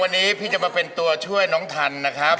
วันนี้พี่จะมาเป็นตัวช่วยน้องทันนะครับ